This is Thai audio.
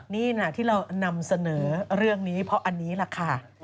นี่นะที่เรานำเสนอเรื่องนี้เพราะอันนี้แหละค่ะ